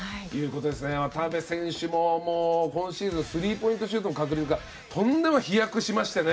渡邊選手も今シーズンスリーポイントシュートの確率がとんでもなく飛躍しまして。